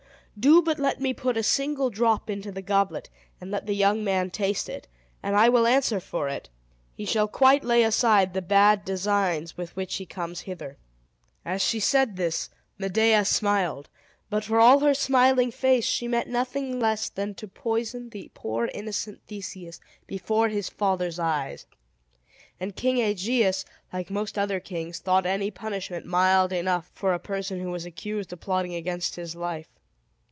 Do but let me put a single drop into the goblet, and let the young man taste it; and I will answer for it, he shall quite lay aside the bad designs with which he comes hither." As she said this, Medea smiled; but, for all her smiling face, she meant nothing less than to poison the poor innocent Theseus, before his father's eyes. And King Aegeus, like most other kings, thought any punishment mild enough for a person who was accused of plotting against his life.